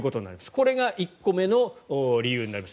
これが１個目の理由になります。